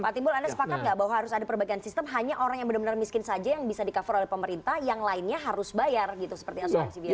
pak timbul anda sepakat nggak bahwa harus ada perbaikan sistem hanya orang yang benar benar miskin saja yang bisa di cover oleh pemerintah yang lainnya harus bayar gitu seperti asuransi biaya